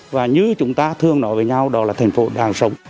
và như chúng ta thường nói với nhau đó là thành phố đang sống